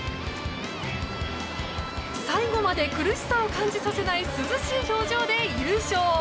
最後まで苦しさを感じさせない涼しい表情で優勝。